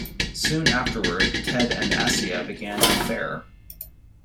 Soon afterward, Ted and Assia began an affair.